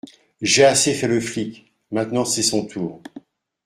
J’ai assez fait le flic, maintenant c’est son tour